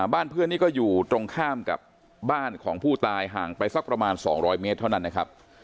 บ้านเพื่อนนี่ก็อยู่ตรงข้ามกับบ้านของผู้ตายห่างไปสักประมาณ๒๐๐เมตรเท่านั้นนะครับ